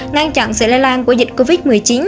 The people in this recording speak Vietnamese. ngăn chặn sự lây lan của dịch covid một mươi chín